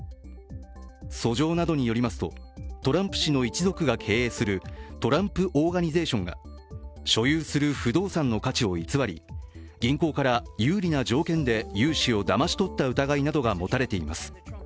訴状などによりますとトランプ氏の一族が経営するトランプ・オーガニゼーションが所有する不動産の価値を偽り銀行から有利な条件で融資をだまし取った疑いなどが持たれています。